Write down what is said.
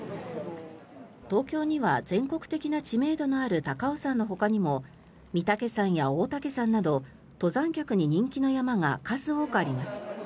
東京には全国的な知名度のある高尾山のほかにも御岳山や大岳山など登山客に人気の山が数多くあります。